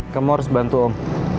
kamu harus bantu om